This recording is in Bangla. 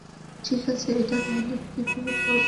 ঠিক আছে, এটা তাহলে কিভাবে করব?